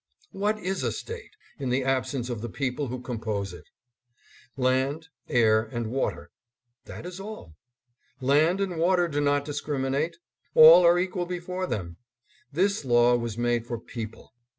What is a State, in the absence of the people who compose it? Land, air and water. That is all. Land and water do not discriminate. All are equal before them. This law was made for people.